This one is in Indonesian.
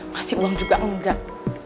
masih uang juga enggak